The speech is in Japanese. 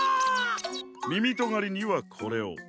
みみとがりにはこれを。